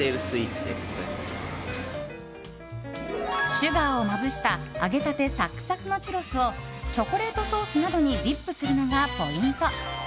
シュガーをまぶした揚げたてサクサクのチュロスをチョコレートソースなどにディップするのがポイント。